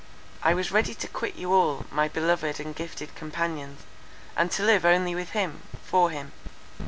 I was ready to quit you all, my beloved and gifted companions, and to live only with him, for him.